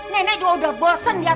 nenek juga sudah bosan ya